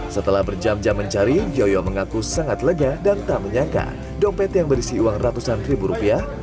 setelah berjam jam mencari yoyo mengaku sangat lega dan tak menyangka dompet yang berisi uang ratusan ribu rupiah